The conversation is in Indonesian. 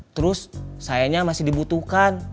terus sayanya masih dibutuhkan